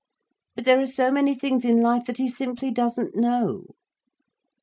But there are so many things in life that he simply doesn't know.